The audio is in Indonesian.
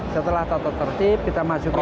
setelah tata tertib kita masuk ke